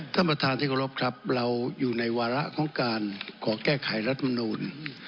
ท่านประธานที่เคารพครับเราอยู่ในวาระของการขอแก้ไขรัฐมนูล